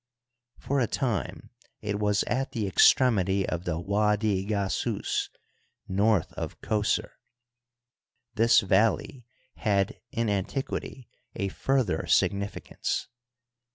For a time it was at the extremity of the Widi Gasiis, north of Qos6r. This valley had in an tiquity a further significance.